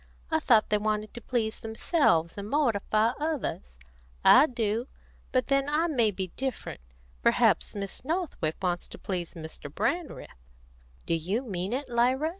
I thought they wanted to please themselves and mortify others. I do. But then I may be different. Perhaps Miss Northwick wants to please Mr. Brandreth." "Do you mean it, Lyra?"